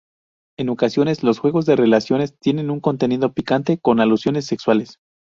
En ocasiones los juegos de relaciones tienen un contenido "picante", con alusiones sexuales.